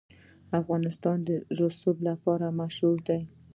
افغانستان د رسوب لپاره مشهور دی.